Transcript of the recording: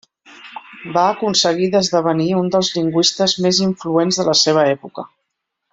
Va aconseguir d'esdevenir un dels lingüistes més influents de la seva època.